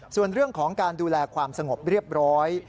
ส่วนเรื่องของการดูแลความสงบเรียบร้อย